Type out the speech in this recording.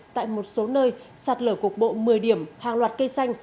tại một số nơi sạt lở cuộc bộ một mươi điểm hàng loạt cây xanh